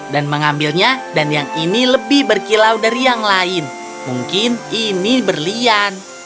dan mengambilnya dan yang ini lebih berkilau dari yang lain mungkin ini berlian